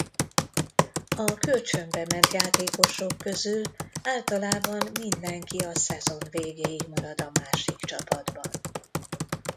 A kölcsönbe ment játékosok közül általában mindenki a szezon végéig marad a másik csapatban.